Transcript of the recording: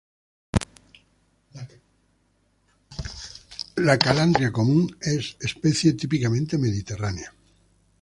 La calandria común es especie típicamente mediterránea.